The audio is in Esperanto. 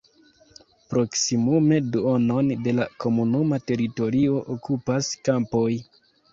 Proksimume duonon de la komunuma teritorio okupas kampoj.